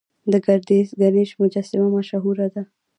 د ګردیز ګنیش مجسمه مشهوره ده